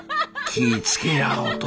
気ぃ付けやお登勢。